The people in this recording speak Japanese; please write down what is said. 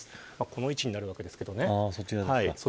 この位置になるわけですけれどね。